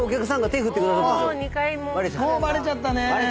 もうバレちゃったね！